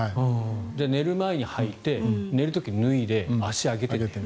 寝る前にはいて寝る前に脱いで足を上げて寝る。